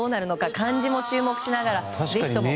漢字も注目しながら、ぜひとも。